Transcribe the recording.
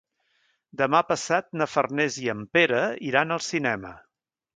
Demà passat na Farners i en Pere iran al cinema.